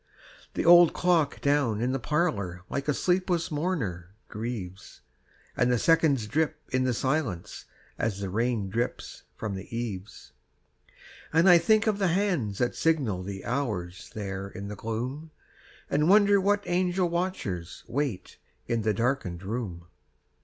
The old clock down in the parlor Like a sleepless mourner grieves, And the seconds drip in the silence As the rain drips from the eaves. And I think of the hands that signal The hours there in the gloom, And wonder what angel watchers Wait in the darkened room.